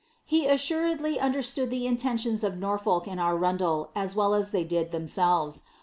He assuredly understood the intentions of Norfolk and Arundel as well as they did themselves.